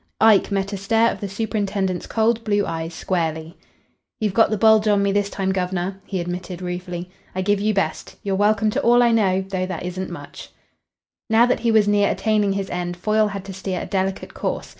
Ike met a stare of the superintendent's cold blue eyes squarely. "You've got the bulge on me this time, guv'nor," he admitted ruefully. "I give you best. You're welcome to all I know though that isn't much." Now that he was near attaining his end, Foyle had to steer a delicate course.